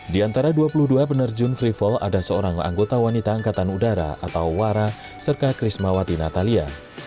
di antara dua puluh dua penerjun free fall ada seorang anggota wanita angkatan udara atau wara serta krismawati natalia